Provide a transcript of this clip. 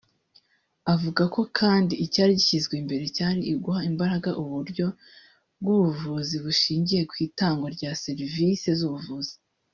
Avugako kandi icyari gishyizwe imbere cyari uguha imbaraga uburyo bw’Ubuvuzi bushingiye ku itangwa rya servisi z’ubuvuzi